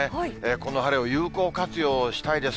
この晴れを有効活用したいです。